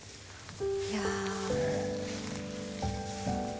いや。